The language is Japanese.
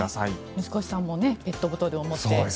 水越さんもペットボトルを持って。